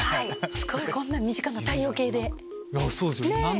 すごいこんな身近な太陽系で。